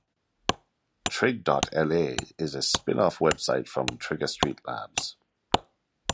Trigg.la is a spin-off website from Trigger Street Labs.